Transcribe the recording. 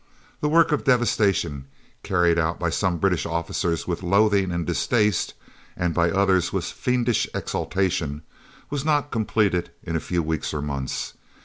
The work of devastation, carried out by some British officers with loathing and distaste, and by others with fiendish exultation, was not completed in a few weeks or months.